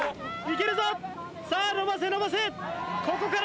いけるか？